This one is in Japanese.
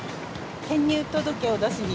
転入届を出しに。